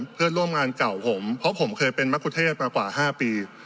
เพื่อนร่วมงานเก่าผมเพราะผมเคยเป็นมะคุเทศมากว่า๕ปี